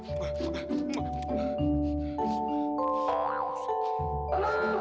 muah muah muah muah